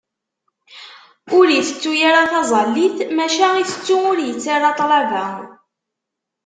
Ur itettu ara taẓallit, maca itettu ur yettarra ṭṭlaba.